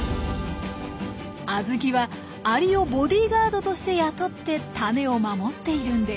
アズキはアリをボディーガードとして雇ってタネを守っているんです。